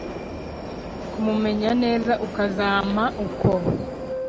kumumenya neza ukazampa uko